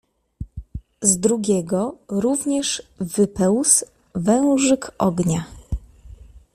"Z drugiego również wypełzł wężyk ognia."